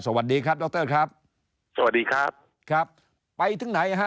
สวัสดีครับดรครับสวัสดีครับครับไปถึงไหนฮะ